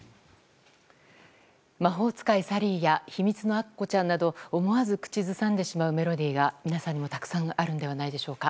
「魔法使いサリー」や「ひみつのアッコちゃん」など思わず口ずさんでしまうメロディーが皆さんにもたくさんあるんではないでしょうか。